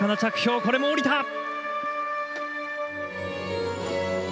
これもおりた。